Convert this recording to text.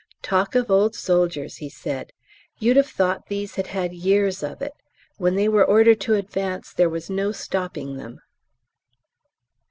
"Talk of old soldiers," he said, "you'd have thought these had had years of it. When they were ordered to advance there was no stopping them."